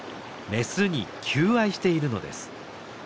メスに求愛しているのです。